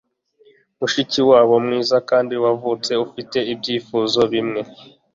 Mushikiwabo mwiza kandi wavutse ufite ibyifuzo bimwe